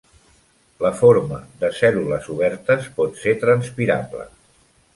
La forma de cèl·lules obertes pot ser transpirable.